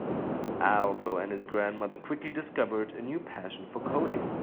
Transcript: Aldo and his grandma quickly discovered a new passion for coding.